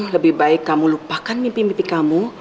lebih baik kamu lupakan mimpi mimpi kamu